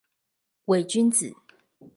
偽君子